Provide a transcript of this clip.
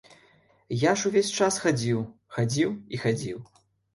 Я ж увесь час хадзіў, хадзіў і хадзіў.